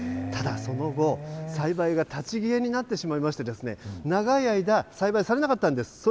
ただその後、栽培が立ち消えになってしまいまして、長い間、栽培されなかったんです。